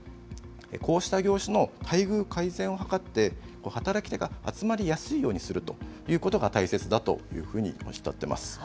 こうした業種の待遇改善を図って、働き手が集まりやすいようにするということが大切だというふうにおっしゃっています。